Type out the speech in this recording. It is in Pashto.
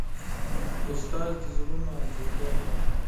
استاد د زړونو انځورګر دی.